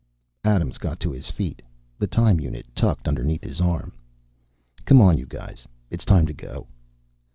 Adams got to his feet, the time unit tucked underneath his arm. "Come on, you guys. It's time to go."